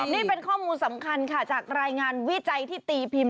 นี่เป็นข้อมูลสำคัญค่ะจากรายงานวิจัยที่ตีพิมพ์